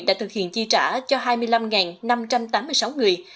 đã thực hiện chi trả cho hai mươi năm năm trăm tám mươi sáu người